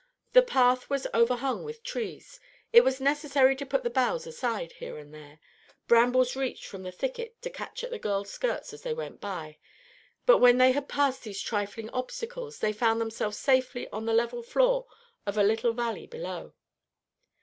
The path was overhung with trees. It was necessary to put the boughs aside here and there; brambles reached from the thicket to catch at the girls' skirts as they went by; but when they had passed these trifling obstacles they found themselves safely on the level floor of a little valley below.